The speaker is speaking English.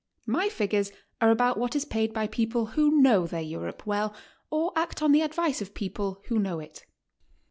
My figures are about what is paid by people who know 'their Europe well or act on the advice <of people who know it.